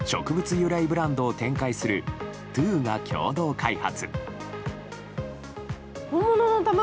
由来ブランドを展開するＴＷＯが共同開発。